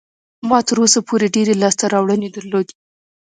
ما تر اوسه پورې ډېرې لاسته راوړنې درلودې.